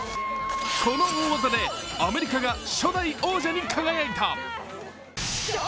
この大技でアメリカが初代王者に輝いた。